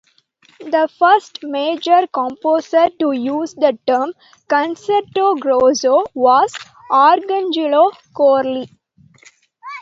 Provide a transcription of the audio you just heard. The first major composer to use the term "concerto grosso" was Arcangelo Corelli.